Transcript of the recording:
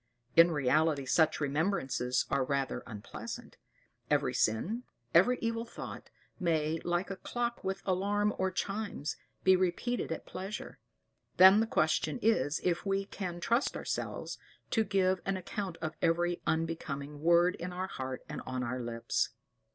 In reality, such remembrances are rather unpleasant: every sin, every evil thought, may, like a clock with alarm or chimes, be repeated at pleasure; then the question is if we can trust ourselves to give an account of every unbecoming word in our heart and on our lips.